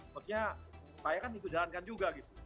maksudnya saya kan itu jalankan juga gitu